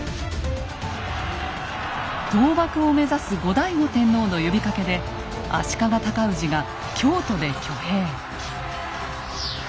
倒幕を目指す後醍醐天皇の呼びかけで足利尊氏が京都で挙兵。